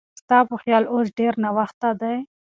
ستا په خیال اوس ډېر ناوخته دی؟